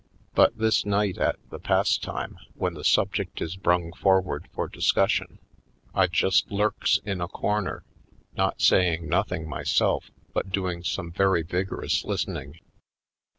But this night at the Pastime when the subject is brung forward for dis cussion, I just lurks in a corner, not saying nothing myself but doing some very vigor ous listening.